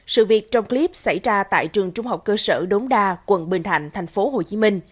sự việc trong clip xảy ra tại trường trung học cơ sở đống đa quận bình thạnh tp hcm